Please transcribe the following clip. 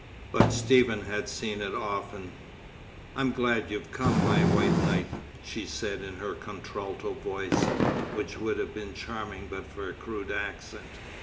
But Stephen had seen it often. "I am glad you've come, my White Knight!" she said in her contralto voice, which would have been charming but for a crude accent.